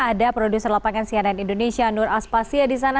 ada produser lapangan cnn indonesia nur aspasya di sana